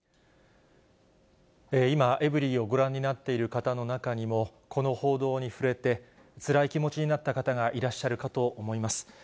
今、エブリィをご覧になっている方の中にも、この報道に触れてつらい気持ちになった方がいらっしゃるかと思います。